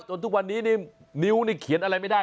จนทุกวันนี้นิ้วนิตแฮนอะไรไม่ได้